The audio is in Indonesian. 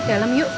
ke dalam yuk